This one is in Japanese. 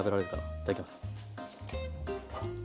いただきます。